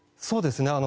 そうですね。